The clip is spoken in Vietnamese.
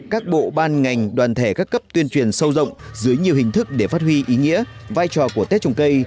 các bộ ban ngành đoàn thể các cấp tuyên truyền sâu rộng dưới nhiều hình thức để phát huy ý nghĩa vai trò của tết trồng cây